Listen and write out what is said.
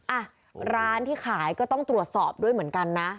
อ่ะร้านที่ขายก็ต้องตรวจสอบด้วยเหมือนกันนะ